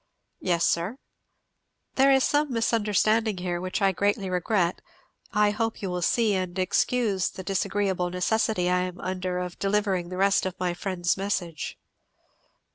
"Yes, sir." "There is some misunderstanding here, which I greatly regret. I hope you will see and excuse the disagreeable necessity I am under of delivering the rest of my friend's message."